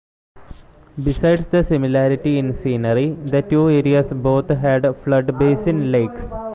Besides the similarity in scenery, the two areas both had flood-basin lakes.